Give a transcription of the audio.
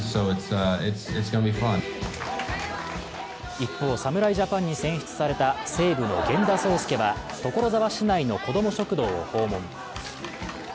一方、侍ジャパンに選出された西武の源田壮亮は所沢市内の子ども食堂を訪問。